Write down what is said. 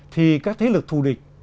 thì các thế lực thù địch